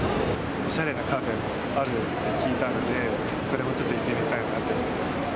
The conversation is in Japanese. おしゃれなカフェもあるって聞いたんで、それもちょっと行ってみたいなと思いますね。